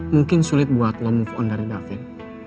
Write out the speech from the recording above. mungkin sulit buat lo move on dari davin